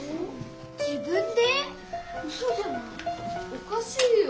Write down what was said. おかしいよ！